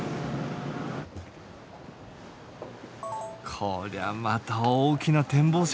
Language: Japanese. こりゃまた大きな展望席。